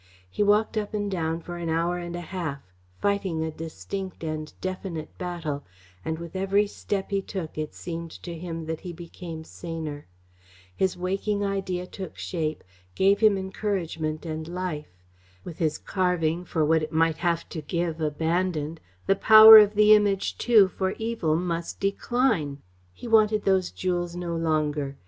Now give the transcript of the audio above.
He walked up and down for an hour and a half, fighting a distinct and definite battle, and with every step he took it seemed to him that he became saner. His waking idea took shape, gave him encouragement and life. With his craving for what it might have to give abandoned, the power of the Image, too, for evil, must decline. He wanted those jewels no longer.